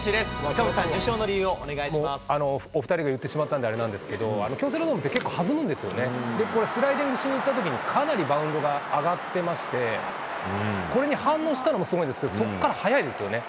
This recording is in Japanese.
赤星さん、受賞の理由をお願いしお２人が言ってしまったんで、あれなんですけど、京セラドームって、結構弾むんですよね、スライディングしにいったときに、バウンドが上がってまして、これに反応したのもすごいんですけれども、そこから早いですよね。